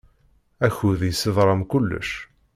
Akud yessedram kullec.